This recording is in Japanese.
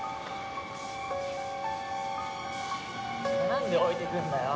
なんで置いてくんだよ。